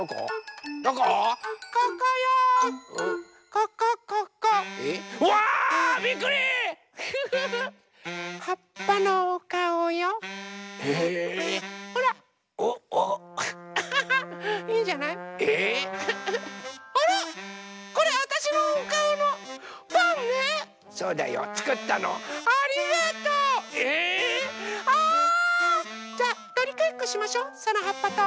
あじゃあとりかえっこしましょうそのはっぱと。ね？